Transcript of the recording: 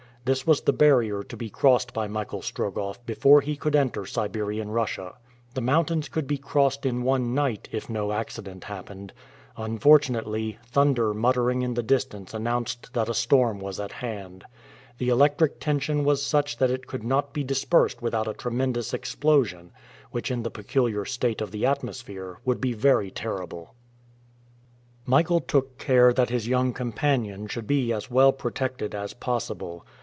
This was the barrier to be crossed by Michael Strogoff before he could enter Siberian Russia. The mountains could be crossed in one night, if no accident happened. Unfortunately, thunder muttering in the distance announced that a storm was at hand. The electric tension was such that it could not be dispersed without a tremendous explosion, which in the peculiar state of the atmosphere would be very terrible. Michael took care that his young companion should be as well protected as possible.